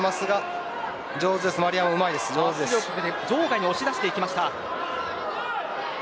場外に押し出して行きました。